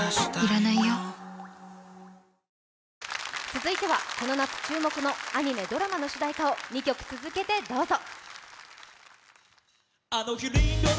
続いては、この夏注目のアニメ・ドラマの主題歌を２曲続けてどうぞ。